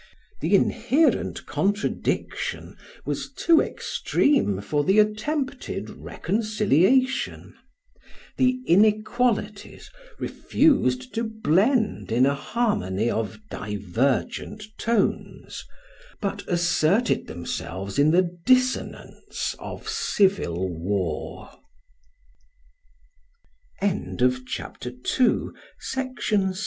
The inherent contradiction was too extreme for the attempted reconciliation; the inequalities refused to blend in a harmony of divergent tones but asserted themselves in the dissonance of civil war. Section 8.